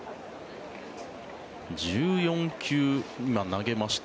１４球、今、投げました。